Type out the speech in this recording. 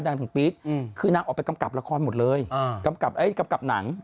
นางถึงพีชคือนางออกไปกำกับละครหมดเลยกำกับกำกับหนัง